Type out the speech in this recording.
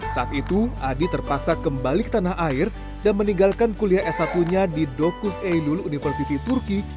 saat itu adi terpaksa kembali ke tanah air dan meninggalkan kuliah s satu nya di docus eylul university turki